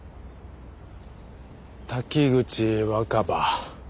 滝口若葉。